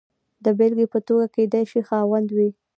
د بېلګې په توګه کېدای شي خاوند وي.